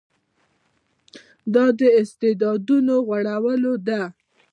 دا د استعدادونو غوړولو ده.